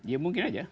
ya mungkin aja